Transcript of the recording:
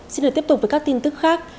xin được tiếp tục với các tin tức khác